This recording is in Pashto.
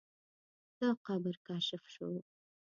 دا قبر کشف شو.